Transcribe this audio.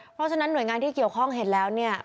เพราะฉะนั้นหน่วยงานที่เกี่ยวข้องเห็นแล้วเนี่ย